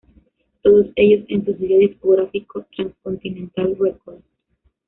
Todos ellos en su sello discográfico TransContinental Records.